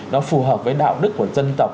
nó phù hợp với đạo đức của dân tộc